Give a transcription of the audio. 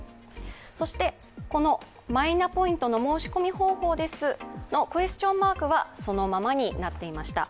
そしてこのマイナポイントの申し込み方法ですのクエスチョンマークはそのままになっていました。